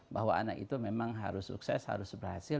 bahwa anak itu memang harus sukses harus berhasil